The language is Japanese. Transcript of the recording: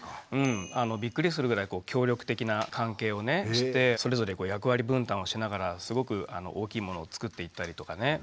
びっくりするぐらい協力的な関係をしてそれぞれ役割分担をしながらすごく大きいものを作っていったりとかね。